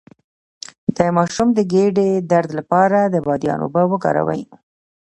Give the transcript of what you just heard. د ماشوم د ګیډې درد لپاره د بادیان اوبه وکاروئ